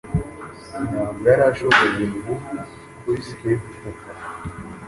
Ntabwo yari ashoboye ububi kuri scape kuva